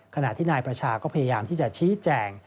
ขณะที่นายประชาก็พยายามที่จะชี้แจง